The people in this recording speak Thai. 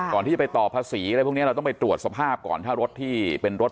ก่อนที่จะไปต่อภาษีอะไรพวกนี้เราต้องไปตรวจสภาพก่อนถ้ารถที่เป็นรถ